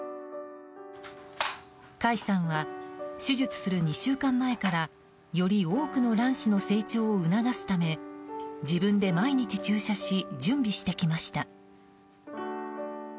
甲斐さんは手術する２週間前からより多くの卵子の成長を促すため自分で毎日注射し準備してきました。